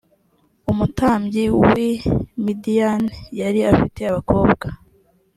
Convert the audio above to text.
umutambyi w i midiyani yari afite abakobwa